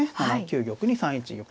７九玉に３一玉。